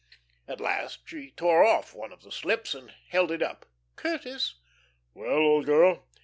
At last she tore off one of the slips and held it up. "Curtis." "Well, old girl?"